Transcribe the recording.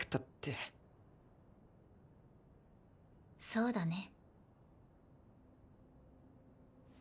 そうだね。